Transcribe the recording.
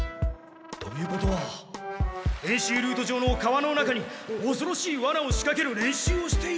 ということは演習ルート上の川の中におそろしいワナを仕かける練習をしている！